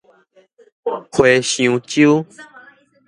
和尚洲